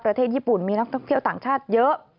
ประเทศญี่ปุ่นมีนักท่องเที่ยวต่างชาติเยอะ